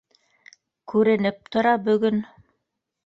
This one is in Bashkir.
Күренеп тора бөгөн